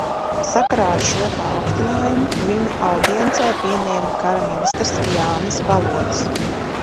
Sakarā ar šo paaugstinājumu viņu audiencē pieņēma kara ministrs Jānis Balodis.